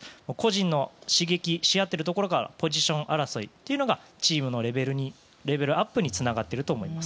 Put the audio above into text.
個人の刺激し合っているところからポジション争いというのがチームのレベルアップにつながっていると思います。